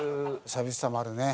寂しさもあるね。